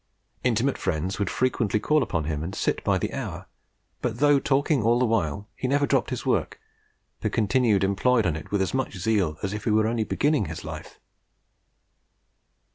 Intimate friends would frequently call upon him and sit by the hour, but though talking all the while he never dropped his work, but continued employed on it with as much zeal as if he were only beginning life.